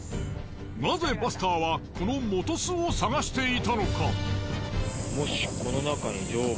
なぜバスターはこの元巣を探していたのか。